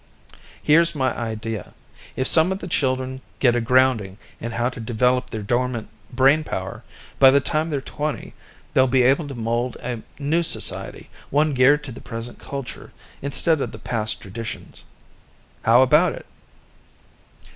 "Here's my idea. If some of the children get a grounding in how to develop their dormant brain power, by the time they're twenty, they'll be able to mold a new society, one geared to the present culture instead of the past traditions. How about it?"